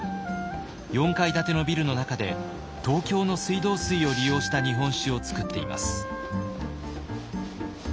４階建てのビルの中で東京の水道水を利用した日本酒を造っています。